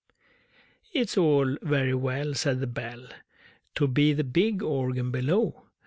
It's all very well, Said the Bell, To be the big Organ below!